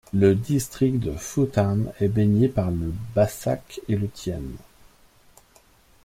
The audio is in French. Le district de Phú Tân est baigné par le Bassac et le Tiền.